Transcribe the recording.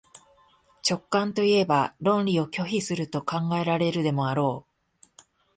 直観といえば論理を拒否すると考えられるでもあろう。